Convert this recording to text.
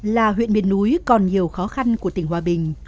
là huyện miền núi còn nhiều khó khăn của tỉnh hòa bình